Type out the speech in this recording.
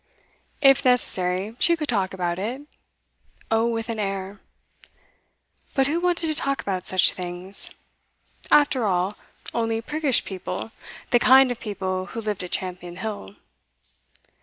If necessary she could talk about it oh, with an air. But who wanted to talk about such things? After all, only priggish people, the kind of people who lived at Champion Hill.